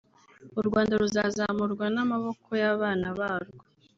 “U Rwanda ruzazamurwa n’amaboko y’abana barwo”